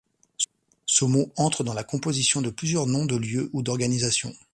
Ce mot entre dans la composition de plusieurs noms de lieu ou d'organisations.